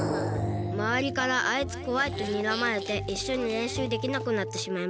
まわりから「あいつこわい」とにらまれていっしょにれんしゅうできなくなってしまいました。